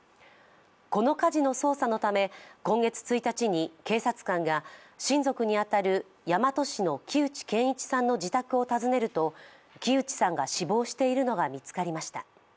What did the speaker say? この火事の捜査のため今月１日に警察官が親族に当たる大和市の木内健一さんの自宅を訪ねると木内さんが死亡しているのが見つかりました。